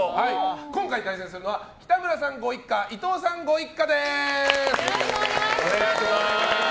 今回、対戦するのは北村さんご一家伊藤さんご一家です。